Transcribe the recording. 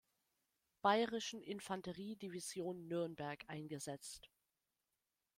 Bayerischen Infanteriedivision Nürnberg eingesetzt.